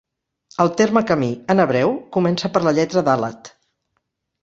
El terme camí, en hebreu, comença per la lletra dàlet.